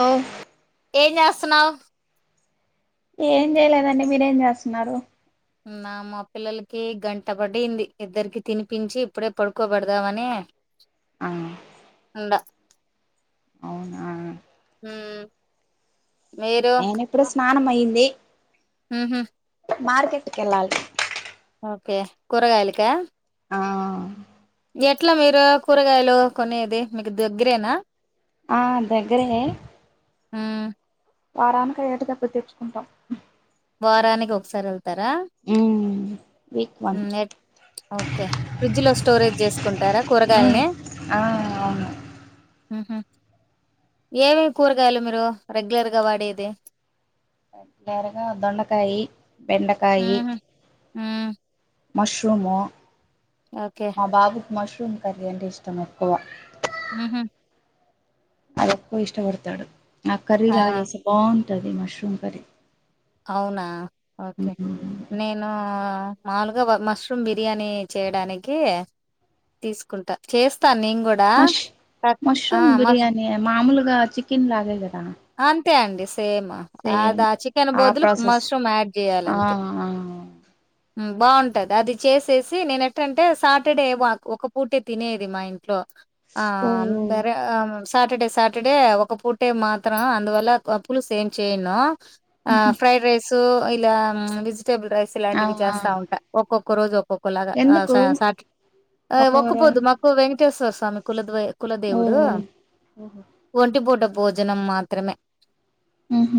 వు ఏస్తునావు ఏం చేయలేదండి మీరేం చేస్తున్నారు నా మా పిల్లలకి గంట పడింది ఇద్దరికి తినిపించి ఇప్పుడే పడుకోబెడదామని ఆ ఉంద అవునా నేన ఇప్పుడు స్నానం అయింది హహ మార్కెట్ కెళ్ళాలి. ఓకే కూరగాయాల్ కా. ఆ. ఎట్లా మీరు కూరగాయలు కొనేది, మీకు దగ్గరేనా. ఆ దగ్గరే. హుమ్మ్. వారానికి అయ్యేట్టుగా, అట్లా తెచ్చుకుంటాం. వారానికి ఒకసారి ఎల్త్. ఉమ్మ్. ఉమ్ ఎక్ ఓకే ఫ్రిడ్జ్ లో స్టోరేజ్ చేసుకుంటారా, కూరగాయల్ని. ఆ అవును హుహు ఏమేం కూరగాయలు మీరు, రెగ్యులర్గా వాడేది. రెగ్లర్ గా దొండకాయి. బెండకాయి. ఉమ్మ్. మష్రూము. ఓకే మా బాబు. మష్రూమ్ కర్రీ అంటే ఇష్టం ఎక్కువ. ఉహుమ్. అదేక్కువ ఇష్టపడతాడు. నాక్ కర్రీ ఆ లాగా చేస్తే బావున్. టాది మష్రూమ్ కర్రీ. అవునా ఓకే నేను. మావుల్గా మష్రూమ్ బిర్యానీ చేయడానికి, తీసుకుంటా చేస్. మష్ మష్రూమ్ మస్ బిర్యానీ మామూలుగా చికెన్ లాగే కదా. త్తే అండిస్. సేమా సేమ్ అదాచి. కెన్ ఆ బోదులు, ప్రాసెస్ మష్రూమ్ యాడ్ ఆ చేయాలంతే. ఆ ఉమ్మ్ బావుంటద్. అది చేసేసి నేన్ ఎట్టంటే సాటర్డే వాక్, ఒక పూటే తినేది మా ఇంట్లో. ఆ ఓ బర ఆ. సాటర్డే సాటర్డే ఒక పూటే మాత్రం అందువల్ల పులుసేం చేయను. ఆ ఫ్రైడ్ రైస్. సో ఇలా విజ్. టేబుల్ రైస్ ఆ ఇలాంటివి ఆ చేస్తా ఉంటా ఒక్కొక్. ఒకరోజు ఒక్కొక్. ఒకలాగాఆ ఎందుకు సా సాట్ ఆ ఒక పొద్దు మాకు వెంక్. వెంకటేశ్వర స్వామి కులాధ్వై. కుల ఓ దేవుడు, ఓహో ఒంటి పూట. భొజనం మాత్రమే ఉహు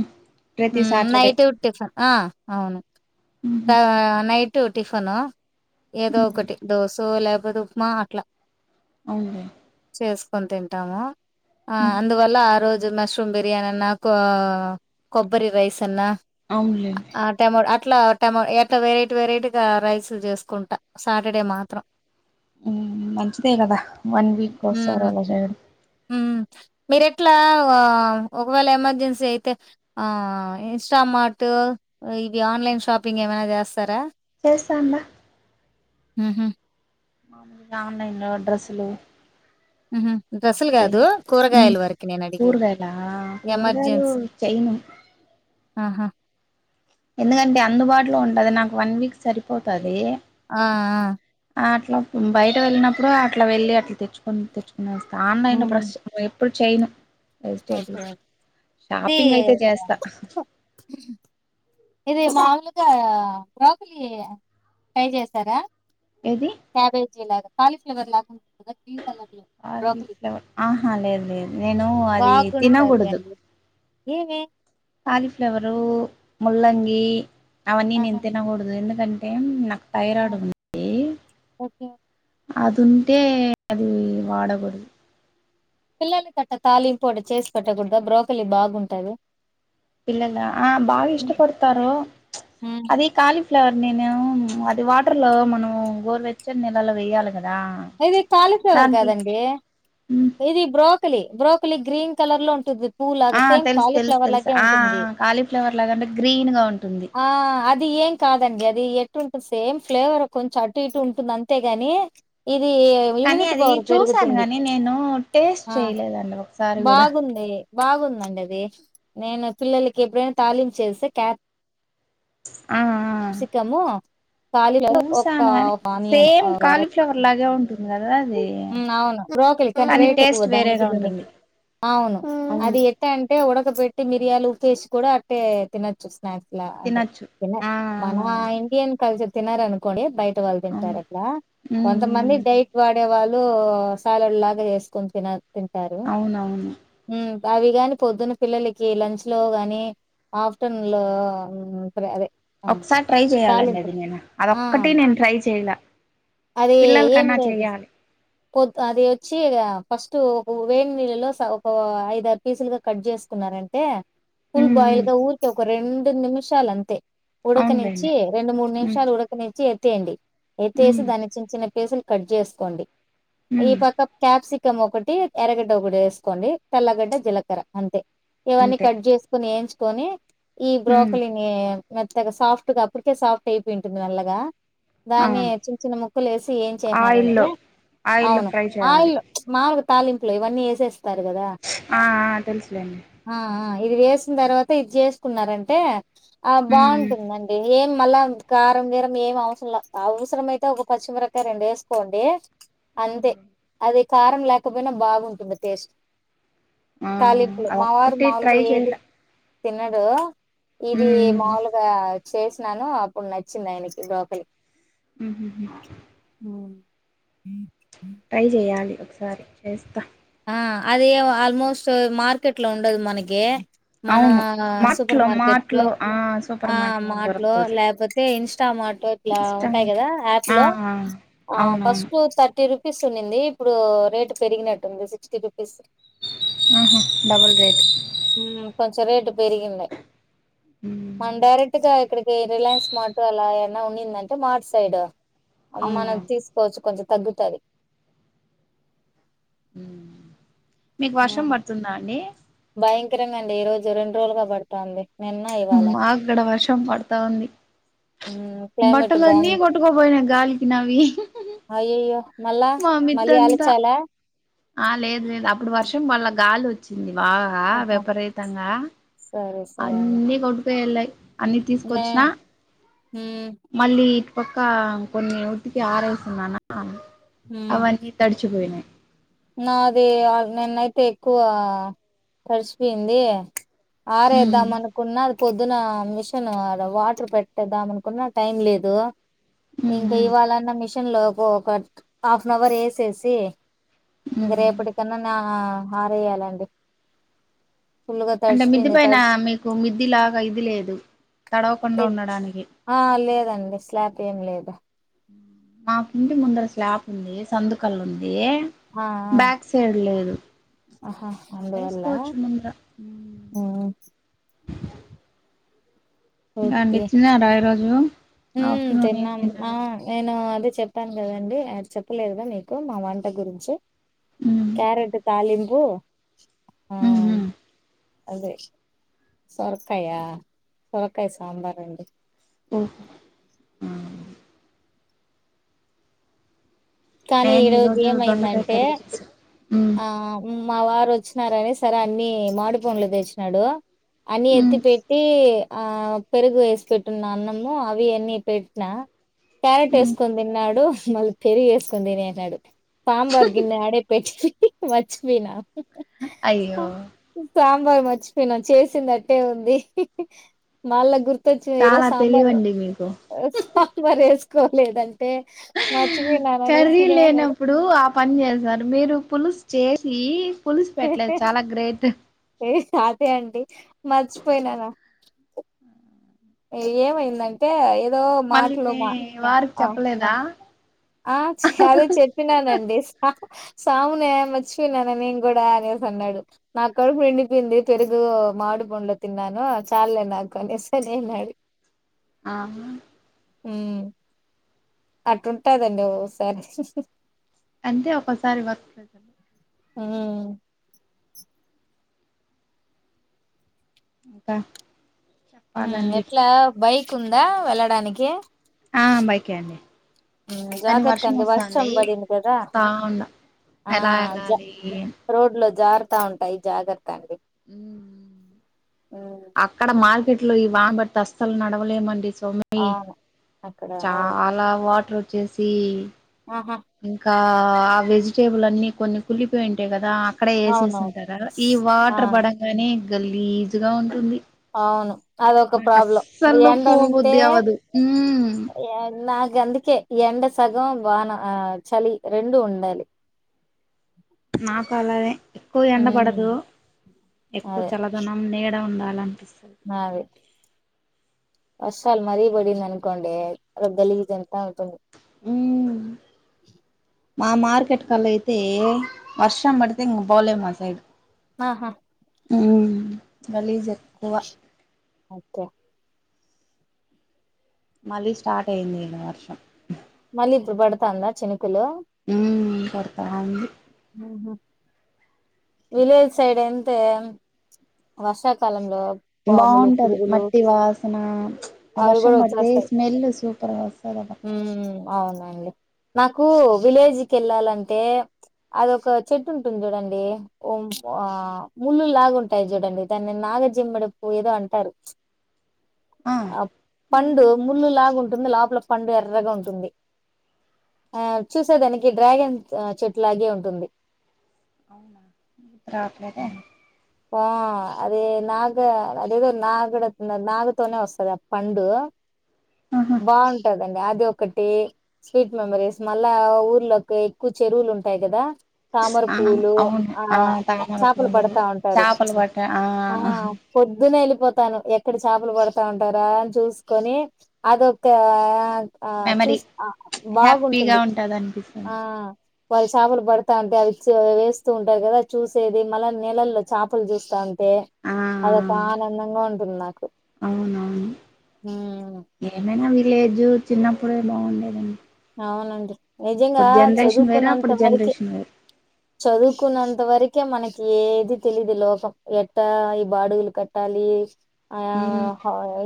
ప్రతి మ్మ్ సాటర్డే నైటు టిఫన్ ఆ అవును ఉహు తా నైట్ టు టిఫిను ఏదో ఉహు ఒకటి దోశొ లే పోతే ఉప్మా అట్లా అవునులే వేసుకొని తింటాము ఆ. ఉహు అందువల్ల ఆ రోజు మష్రూమ్ బిర్యానన్న కో కొబ్ కొబ్బరి రైస్ అన్నా అవునులేండి ఆ టైమ్ రు అట్ ఎట్లా టమ ఎట్ల వెరైటీ వెరైటీగా రైస్ చేసుకుంటా సాటర్డే మాత్రం హ్మ్ మంచిదే కదా వన్ వీక్ మ్మ్ కొసారీ అలా చేయడం హ్మ్. మీరెట్లా అ. ఒకవేళ ఎమర్జెన్సీ అయితే ఆ. ఇన్స్టామార్ట్ ఇవి ఆన్లైన్ షాపింగ్ ఏమైనా జేస్తారా చేస్తామ్ బ ఊహూ ఆన్లైన్ లో డ్రస్సులు హుమ్ హూ ఏమి హుమ్ నేనడిగేది. కూరగాయలా కూరగాయలు చెయ్ నూ ఆహ ఎందుకంటే అందుబాటులో ఉంటది నాకు వన్ వీక్ సరిపోతది ఆ ఆ అట్ల బయట వెల్లినప్పుడు అట్ల వెళ్లి అట్ల తెచ్చుకున్ తెచ్ వస్త ఆన్లైన్లో హ్మ్. ఫ్రష్ వేర్ ఇప్పుడు చెయ్నూ ఓకే ఓ ఇది అయితే చేస్తా ఇది మా ములుగా బ్రోకలి ట్రై చేసరా ఏది క్యాబేజి ఇలాగ కాలిఫ్లవర్ లాగ ఉన్ ఆల్ది ఫ్లవర్ ఆహా లేదు లేదు నేను అది తినగూడదు ఏమీ కాలీఫ్లవరూ ముల్లంగీ అవన్ని ఆహా! నేను తినగూడదు ఎందు కంటే నాక్ థైరాయిడ్ ఆ! ఉందీ ఓకే. అదుంటే అది వాడగూడదు పిల్లల గట్టా తాలింపు ఒకటి చేసి పెట్టకూడాద బ్రోకలి బాగుండదు పిల్లల ఆ బాగ ఇష్టపడతారు ఉమ్ అది ఖాలి కాళీ ఫ్లవర్ నేను అది వాటర్ లో మనం గోరువెచ్చని నీళ్లలో వెయాలి కదా ఇది కాలిఫ్లవర్ దాంట్లో కదండి మ్ ఇది బ్రో బ్రోకలీ బ్రోకలీ గ్రీన్ కలర్ లో ఉంటుంది పూలాగా ఆ సేమ్ తెలుసు తెలుసు కాలీఫ్లవర్ తెలుసు లాగే ఆ ఉంటుంది కాలీఫ్లవర్ లాగానే గ్రీన్ గా ఉంటుంది ఆ అది ఏం కాదండి అది ఎటు ఉంటుంది సేమ్ ఫ్లేవర్ కొంచెం అటు ఇటు ఉంటుంది అంతే గాని కానీ అది చూసాను గాని నేను టేస్ట్ ఆ చేయలేదండి ఒకసారి కూడా బాగుంది బాగుందండి అది నేను పిల్లలకి ఎప్పుడైనా తాలింపు చేసి క్యాపి ఆ ఆ క్యాప్సికం కాలిఫ్లవర్ ఒక చూసాను గాని ఆనియన్ సేమ్ వేర కాలీఫ్లవర్ లాగే ఉంటుంది కదా అది అవును బ్రోకల్ కానీ రేట్ ఎక్కువ టేస్ట్ దానికి వేరేగా దీనికి ఉంటుంది అవును అవును అది ఎట్ట అంటే ఉడక పెట్టి మిరియాలు కేష్ కూడా అట్టే తినొచ్చుస్తు స్నాక్స్ లా అంటే తినొచ్చు తిన్న ఆ ఆ మన ఇండియన్ కల్చర్ తినరు అనుకొని బయట వాళ్ళు తింటారు అవును అట్లా మ్ కొంతమంది మ్ డైట్ వాడే వాళ్ళు ఇప్పుడు సాలడ్ లాగా చేసుకుని తిన తింటారు అవునవును ఉ అవి గాని పొద్దున పిల్లలకి లంచ్ లో గాని ఆఫ్టర్నూన్ లో అదే ఆ, ఒకసారి ట్రై చెయాలండి తాలింపు అది నేను ఆ అదొక్కటి నేను ట్రై చేయల అది ఏం లేదు పొద్దు అది వచ్చి ఇగా ఫస్ట్ ఒక వేడి నీళ్ళలో సగం ఒక ఐద ఆరు పీసులుగా కట్ చేసుకున్నారంటే ఫుల్ ఉమ్ ఉమ్ బాయిలిగా ఊరికే ఒక రెడు నిమిష ఉంచాలి అంతే ఉడకనించి అవునులేండి రెండు మూడు ఉమ్ నిమిషాలు ఉడకనించి ఎత్తేయండి ఎత్తేసి ఉమ్ దాని చిన్న చిన్న పీసులు కట్ చేసుకోండి ఈ ఉమ్ పక్క క్యాప్సిక్ క్యాప్సికం ఒకటి ఎర్రగడ్డ ఒకటి వేసుకోండి తల్లగడ్డ జీలకర్ర అంతే ఇవన్నీ అంతే కట్ చేసుకుని ఏంచు పోని ఈ ఉమ్ బ్రోకలిని మచ్చగా సాఫ్ట్ గా అప్పటికే సాఫ్ట్ అయిపోయి ఉంటుంది మల్లగా ఆ దాని చే చిన్న ముక్కలు వేసి ఏం చేసినారంటే ఆయిల్లో ఆయిల్లో అవును ఫ్రై చేయాలి ఆయిల్ మాములుగ తాలింపులో ఇవన్నీ ఎస్సెస్ ఆ ఆ తెలుసులేండి ఆ! ఆ! ఇది వేసిన తర్వాత ఇది చేసుకున్నారంటే ఆ ఉమ్ ఉమ్ బాగుంటుందండి ఏం మళ్ళా కారం గీరం ఏం అవసరం ల్య అవసరమయి తె ఒక పచ్చిమిరక్కాయ రెండు వేసుకోండి అంతే అవునులేండి అదే కారం లేకపోయినా బాగుంటుంది టేస్ట్ ఆ తాలింపులో మావారు అదొక్కటి ట్రై మాముూలుగా ఏది చేయలే తిన్నాడు ఇది ఉమ్ మాములుగా సేసినాను అప్పుడు నచ్చింది ఆయనకి బోకలి మ్మ్ హు హు మ్మ్ ట్రై చేయాలి ఒకసారి చేస్తా ఆ అది ఇగ ఆల్మోస్ట్ మార్కెట్ లో ఉండదు మనకి మన అవును మార్ట్ సూపర్ లో మార్కెట్ మార్ట్ లో ఆ ఆ సూపర్ మార్ట్ మాట్ లో దొరుకుతది లేకపోతే ఇస్ చా మాట్లో ఇట్లా ఉంటాయి ఇష్టమిట్ల కదా యాప్స్ ఆ లో ఆ ఆ అవునవును ఫస్ట్ థర్టీ రు పిస్సున్నింది ఇప్పుడు రేటు పెరిగినట్టుంది సిస్టీ రుపీస్ ఆహా డబల్ రేట్ మ్మ్ కొంచెం రేటు పెరిగింది మన్ డైరెక్ట్ గా ఇక్కడికి రిలయన్స్ మార్ట్ అలా ఏన్న ఉన్నిందంటే మార్ట్ సైడ్ మనం అవునులేండి తీసుకోవచ్చు కొంచెం తగ్గుతాది మ్మ్ మీకు వర్షం పడుతుందా అండి భయంకరంగా అండి ఈ రోజు రెండు రోజులుగా పడుతాంది మ్మ్ మాక్కడ వర్షం పడతా ఉంది హ్మ్. క్లైమేట్ బట్టలన్నీ బావుంది. కొట్టుకోపోయినాయి గాలికి నావి అయ్యయ్యో మళ్ళా మా మళ్ళీ మిద్దంతా అలచాలా ఆ లేదు లేదు అప్పుడు వర్షం మళ్ల గాలి వచ్చింది బాగా ఆహా విపరీతంగా సరే సరే అండి. అన్నీ కొను పేల్లై అన్నీ నే తీసుకొచ్చిన హ్మ్ మళ్ళీ పక్క కొన్ని ఉతికి ఆరేస్తున్నానా హ్మ్ అవన్నీ తడిచిపోయినాయి నాది ఆ నన్న అయితే ఎక్కువ తడిచిపోయింది ఉమ్ ఆరేద్దామనకున్నా అద్ పొద్దున మిషన్ వాటర్ పెట్టేద్దాం అనుకున్న టైం లేదు ఇంక ఉమ్ ఇవాళన్న మిషన్ లో ఒక ఒక హాఫనవర్ యేసేసి ఉమ్ ఆరేయాలండి ఫుల్గా అంటే మిద్ది తడిసిపోయింది పైన తడిసి మీకు మిద్ది లాగా ఇది లేదు తడవకుండా ఉండడానికి ఆ లేదండి స్లాపేంలేదు మాకు ఇంటి ముందర స్లాప్ ఉంది సందుకల్లుంది దే ఆ బ్యాక్ సైడ్ లేదు ఆ ఆహా అందువల్ల ఆరేసుకోవచ్చు ముందర ఉమ్ హ్మ్ ఓకే. అండి తిన్నారా ఈ రోజు హ్మ్. ఆఫ్టర్నూన్ ఏం తిన్నాం. ఆ! తిన్నారు నేను అదే చెప్పాను కదండి చెప్పలేదుగా మీకు మా వంట గురించి మ్మ్ క్యారెట్ తాలింప్ ఓ ఆ మ్మ్ హ్మ్ అదే సొరకాయ సొరకాయ సాంబారండి ఓహో ఉమ్ కానీ ఈరోజు ఏమైందంటే చేసా మ్మ్ ఆ మావారు వచ్చినారని సర అన్ని మాడి పండ్లు తెచ్చినాడు అన్ని ఎత్తి మ్మ్ పెట్టి ఆ పెరుగు వేసి పెట్టున్న అన్నము అవి మ్మ్ దినేసాడు తాంబర్గిన్ని ఆడే పెట్టి మర్చిపోయినా అయ్యో సాంబర్ మర్చిపోయినా చేసిందట్టే ఉంది మళ్ల గుర్తు గుర్తొచ్చి ఈరోజు చాలా సాంబార్ తెలివండి మీకు సాంబారేస్ కోలేదంటే మ చపొయినానేసి కర్రీ లేనప్పుడు ఆ పని చేశారు మీరు పులుస్ చే సి పులుసు పెట్టలేదు చాలా గ్రేట్ మర్చి పోయినానా ఏమైందంటే ఎ మళ్ళీ మీ వారికి చెప్పలేదా ఆ అదే చెప్పినానండి సి సామునే మర్చిపోయినానే నేను కూడా అనేసి అన్నాడు. నా కడుపు నిండిపోయింది. పెరుగు మామిడి పండ్లు తిన్నాను చాల్లె నాకు అనేసి అని అన్నాడు. ఆహా హ్మ్ అట్ట ఉంటాదండి ఓసారి అంటే ఒకసారి వర్క్ [inaudible] హ్మ్ ఇంకా హ్మ్ చెప్పాలండి ఎట్లా బైక్ ఉందా వెళ్ళడానికి ఆ బైకే అండి. కానీ జాగ్రత్త అండి వర్షం వస్తాంది పడింది కదా చూస్తా ఉండా ఆ ఎలా జ వెళ్ళాలి రోడ్లు జార్తాఉంటాయి. జాగ్రత్తండి. మ్మ్ హ్మ్ అక్కడ మార్కెట్ లో వాన పడితే అస్సలు నడవలేమండి. ఓ మై అవును అక్కడ అవును చాలా వాటర్ వ చేసి ఆహా ఇంకా ఆ వెజిటేబుల్ అన్ని కొన్ని కుళ్ళిపోయి ఉంటాయి కదా అక్కడ అవునవును ఏసేసుంటార ఈ ఆ వాటర్ పడంగానే గల్లీజుగా ఉంటుంది. అవును అదొక నాకు ప్రాబ్లం అస్సలు ఎంటంటే పోబుద్ది అవ్వదు మ్మ్ ఏం నాకు గ అందుకే ఎండ సగం వాన ఆ చలి రెండు ఉండాలి. నాకు అలానే ఎక్కువ ఎండ ఉమ్ పడదు. ఎక్కువ చల్లదనం నీడ ఉండాలి. [unintelligible] నావె అస్సల్ మరీ బడింది అనుకోండి అ గాలిజ్ అంత అవుతుంది. హ్మ్ మా మార్కెట్ కలా అయితే వర్షం పడితే ఇంక పోలేం మా సైడ్ ఆహా హ్మ్ గలీజ్ ఎక్కువ ఓకే మళ్ళీ స్టార్ట్ అయింది ఇలా వర్షం మళ్ళీ ఇప్పుడు పడతాంద చినుకులు ఉం పడతావుంది ఆహా విలేజ్ సైడ్ ఎంత వర్షాకాలంలో బాగుంటది పురుగులు మట్టి వాసన వర్షం పడితే స్మెల్ సూప్ తర్వాస్ ఉం అవునండి నాకు విలేజ్కి వెళ్ళాలంటే అదొ ఒక చెట్టు ఉంటుంది చూడండి ఓ ముళ్ళు లాగా ఉంటాయి చూడండి దాన్ని నాగజిమ్మడి పూ ఏదో అంటారు ఆ పండు ముళ్ళలు లాగా ఉంటుంది లోపల పండు ఎర్రగా ఉంటుంది ఆ చూసే దానికి డ్రాగన్ చెట్టు లాగే ఉంటుంది అవునా రావట్లేద ఆ అదే నాగ అదేదో నాగడ నాగ తోనే వస్తది ఆ పండు ఆహా బాగుం ట దండి అది ఒకటి స్వీట్ మెమరీస్ మళ్ళా ఊర్లోకి ఎక్కువ చెరువులు ఉంటాయి కదా తామర ఆ పూలు అవును ఆ తామర చేపలు పూలు పడుతా ఉంటారు చాపలు పట్ట ఆ పొద్దున్న ఎల్ పోతాను ఎక్కడి చేపలు పడుతా ఉంటారా అని చూసుకొని అదొక ఆ ఆ మెమరీ చూస్ హ్యాపీగా బాగుంటుంది ఉంటది అనిపిస్తది ఆ వారి చేపలు పడుతా ఉంటే అవి వేస్తూ ఉంటారు కదా చూసేది మళ్ళ నెలల్లో చేపలు చూస్తా ఉంట ట్టే ఆ అదొక ఆనందంగ ఉంటుంది నాకు అవునవును లేజు చిన్నప్పుడే బాగుండేదండి అవునండి నిజంగా ఇప్పుడు జనరేషన్ వేరు చదువుకున్నంత అప్పుడు వరకి జనరేషన్ వేరు చదువుకున్నంత వరకి ముఖే మనకి ఏది తెలిదు లోకం ఎట్ట ఈ బాడుగులు కట్టాలి ఉమ్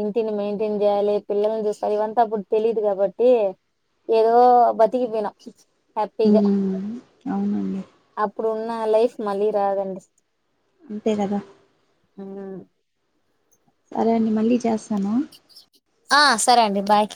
ఇంటిని మేయింటై టెన్ చేయాలి పిల్లని చూస్తారు ఇవంతా అప్పుడు తెలీయదు కాబట్టి ఏదో బతికి పోనాం హ్యాపీగా అవునండి అప్పుడున్న లైఫ్ మళ్ళీ రాదండి అంతే కదా ఉం సరే అండి మళ్ళీ చేస్తాను ఆ సరే అండి బాయ్